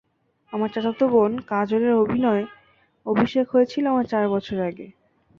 আমার চাচাতো বোন কাজলের অভিনয় অভিষেক হয়েছিল আমার চার বছর আগে।